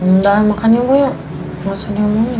yaudah makan yuk ibu yuk gak usah nyamuk yuk